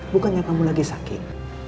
bukannya kamu lagi sakit